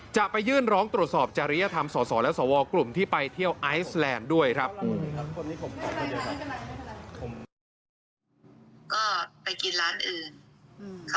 จะไปยื่นร้องตรวจสอบจริยธรรมสอสอและสวกลุ่มที่ไปเที่ยวไอซแลนด์ด้วยครับ